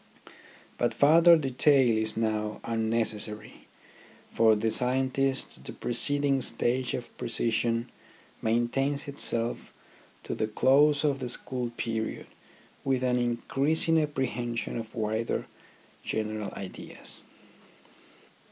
But further detail is now unnecessary. For the scientists the preceding stage of precision maintains itself to the close of the school period with an increasing apprehension of wider general ideas.